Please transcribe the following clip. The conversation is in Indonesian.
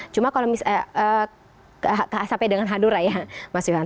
cuma kalau misalnya sampai dengan hanura ya mas ilham